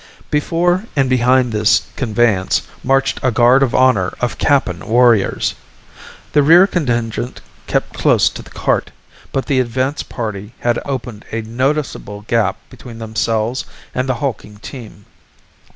Before and behind this conveyance marched a guard of honor of Kappan warriors. The rear contingent kept close to the cart, but the advance party had opened a noticeable gap between themselves and the hulking team.